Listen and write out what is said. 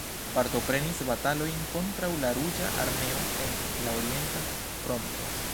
Partoprenis batalojn kontraŭ la Ruĝa Armeo en la orienta fronto.